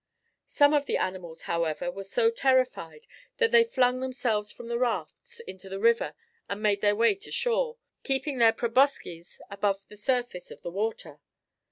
Some of the animals, however, were so terrified that they flung themselves from the rafts into the river and made their way to shore, keeping their probosces above the surface of the water.